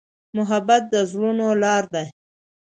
محبت د زړونو لاره ده.